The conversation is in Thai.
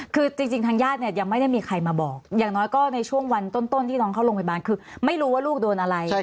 คือจริงทางญาติเนี่ยยังไม่ได้มีใครมาบอกอย่างน้อยก็ในช่วงวันต้นที่น้องเข้าโรงพยาบาลคือไม่รู้ว่าลูกโดนอะไร